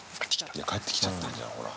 いや帰ってきちゃってんじゃん、ほら。